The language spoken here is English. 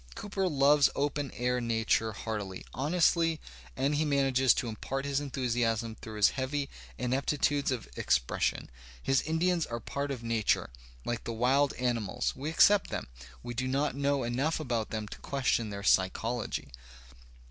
Cooper loves open air nature heartily, honestly, and he manages to impart his enthusiasm through his heavy ineptitudes of ex pression. His Indians are part of nature, like the wild animals; we accept them, we do not know enough about them to question their "psychology."